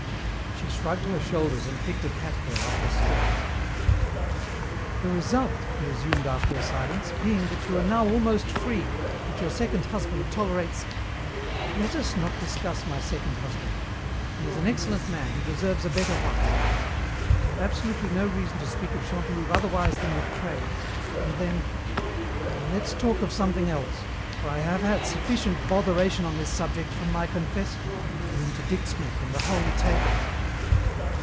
She shrugged her shoulders and picked a cat hair off her skirt. "The result," he resumed after a silence, "being that you are now almost free, that your second husband tolerates " "Let us not discuss my second husband. He is an excellent man who deserves a better wife. I have absolutely no reason to speak of Chantelouve otherwise than with praise, and then oh, let's talk of something else, for I have had sufficient botheration on this subject from my confessor, who interdicts me from the Holy Table."